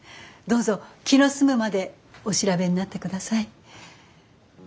どうぞ気の済むまでお調べになってください。